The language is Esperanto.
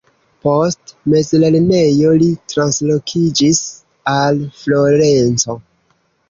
Post mezlernejo li translokiĝis al Florenco.